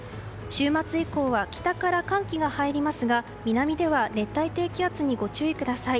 週末以降は北から寒気が入りますが南では熱帯低気圧にご注意ください。